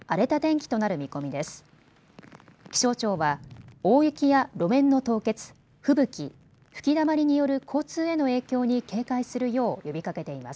気象庁は大雪や路面の凍結、吹雪、吹きだまりによる交通への影響に警戒するよう呼びかけています。